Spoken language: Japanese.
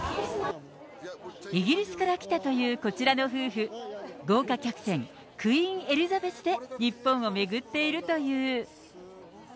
イギリスから来たというこちらの夫婦、豪華客船、クイーン・エリザベスで日本を巡っているという。